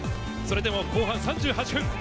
それでも後半３８分。